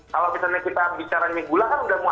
kalau misalnya kita bicara gula kan udah mau ada